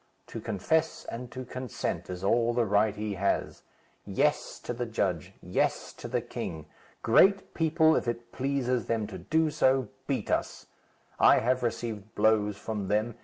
To confess and to consent is all the right he has. 'Yes,' to the judge; 'yes,' to the king. Great people, if it pleases them to do so, beat us. I have received blows from them.